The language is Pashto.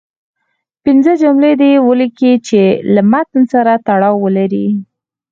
پنځه جملې دې ولیکئ چې له متن سره تړاو ولري.